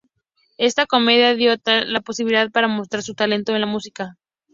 Esta comedia dio a Tal la posibilidad para mostrar su talento en la música.